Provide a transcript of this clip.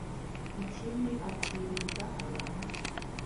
Ikindi akirinda abantu